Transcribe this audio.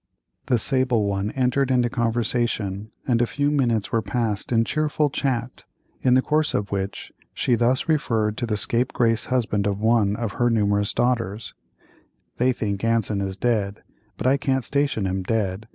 The sable one entered into conversation, and a few minutes were passed in cheerful chat, in the course of which she thus referred to the scapegrace husband of one of her numerous daughters: "They think Anson is dead, but I can't station him dead.